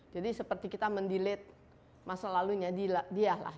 jadi seperti kita mendelet masa lalunya dia lah